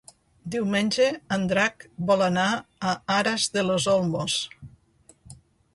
Diumenge en Drac vol anar a Aras de los Olmos.